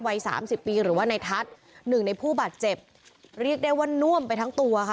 วัยสามสิบปีหรือว่าในทัศน์หนึ่งในผู้บาดเจ็บเรียกได้ว่าน่วมไปทั้งตัวค่ะ